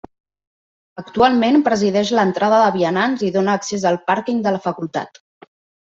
Actualment presideix l'entrada de vianants i dóna accés al pàrquing de la facultat.